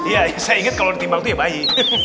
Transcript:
ya saya inget kalau ditimbang tuh ya bayi